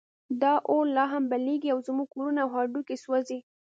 دا اور لا هم بلېږي او زموږ کورونه او هډوکي سوځوي.